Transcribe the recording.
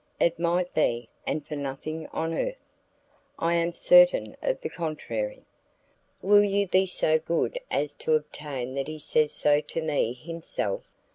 "It might be, and for nothing on earth...." "I am certain of the contrary." "Will you be so good as to obtain that he says so to me himself?"